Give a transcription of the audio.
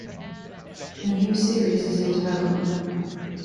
A new series is in development.